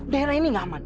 daerah ini gak aman